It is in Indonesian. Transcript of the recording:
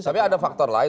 tapi ada faktor lain